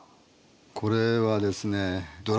これはですね